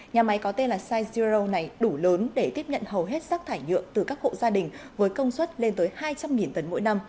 nhà máy có tên là sizero này đủ lớn để tiếp nhận hầu hết rác thải nhựa từ các hộ gia đình với công suất lên tới hai trăm linh tấn mỗi năm